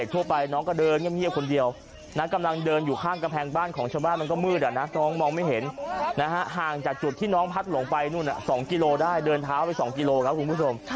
ทั่วไปน้องก็เดินเงียบคนเดียวนะกำลังเดินอยู่ข้างกำแพงบ้านของชาวบ้านมันก็มืดน้องมองไม่เห็นห่างจากจุดที่น้องพัดหลงไปนู่น๒กิโลได้เดินเท้าไป๒กิโลครับคุณผู้ชม